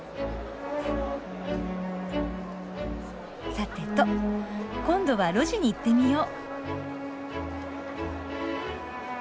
さてと今度は路地に行ってみよう。